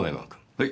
はい。